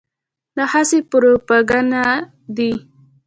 دا هسې پروپاګند دی.